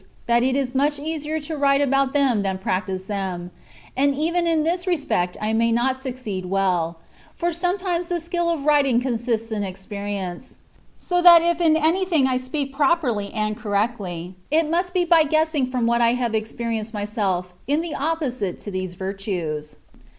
that it is much elsier to write Ibout them than practise them ; and even in this respect I may not succeed well ; for sometimes the skill of writing consists in experience; so that if in anything I speak properly and correctly, it must be by guessing from what I have experienced myself in the opposite to these virtues.